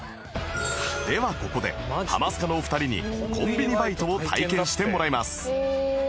ではここでハマスカのお二人にコンビニバイトを体験してもらいます